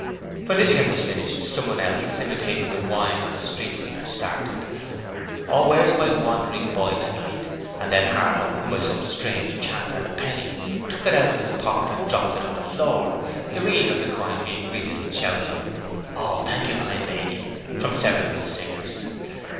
When this hymn was finished, someone else, imitating the whine of a street singer, started, 'Oh, where is my wandering boy tonight?' and then Harlow who by some strange chance had a penny took it out of his pocket and dropped it on the floor, the ringing of the coin being greeted with shouts of 'Thank you, kind lady,' from several of the singers.